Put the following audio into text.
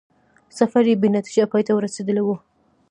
سفر یې بې نتیجې پای ته رسېدلی وو.